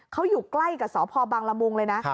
เขาอยู่ใกล้กับสพบังละมุงเลยนะ